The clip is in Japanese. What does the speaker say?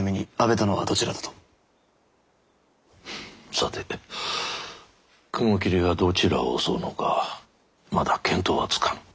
さて雲霧がどちらを襲うのかまだ見当はつかん。